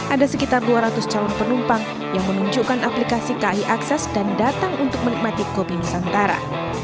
ada sekitar dua ratus calon penumpang yang menunjukkan aplikasi kai akses dan datang untuk menikmati kopi nusantara